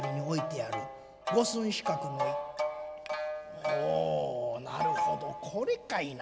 ほうなるほどこれかいな。